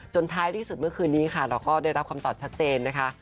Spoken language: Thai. ท้ายที่สุดเมื่อคืนนี้ค่ะเราก็ได้รับคำตอบชัดเจนนะคะ